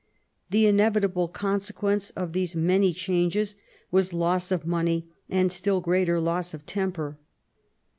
The inevitable consequence of these many changes was loss of money and still greater loss of temper.